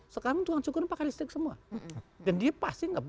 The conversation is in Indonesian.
sekarang juga cukurnya pakai listrik semua